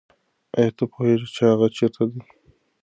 آیا ته پوهېږې چې هغه چېرته دی؟